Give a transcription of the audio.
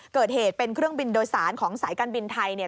เกิดเหตุเป็นเครื่องบินโดยสารของสายการบินไทยเนี่ย